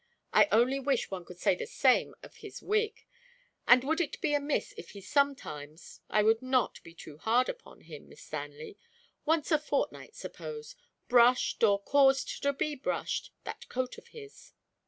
I only wish one could say the same of his wig. And would it be amiss if he sometimes (I would not be too hard upon him, Miss Stanley), once a fortnight, suppose brushed, or caused to be brushed, that coat of his?"